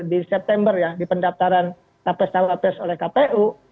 di september ya di pendaftaran tapes tapes oleh kpu